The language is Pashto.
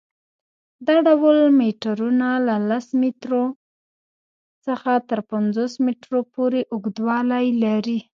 دا ډول میټرونه له لس میټرو څخه تر پنځوس میټرو پورې اوږدوالی لري.